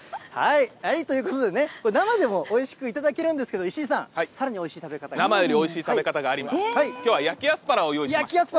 ということでね、生でもおいしく頂けるんですけれども、石井さん、さらにおいしい食べ方があるんで生よりおいしい食べ方があります。